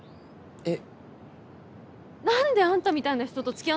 えっ。